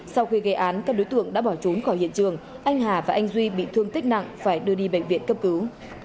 sau khi gây án các đối tượng đã bỏ trốn khỏi hiện trường anh hà và anh duy bị thương tích nặng phải đưa đi bệnh viện cấp cứu